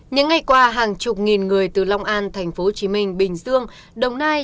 những ngày qua hàng chục nghìn người từ long an tp hcm bình dương đồng nai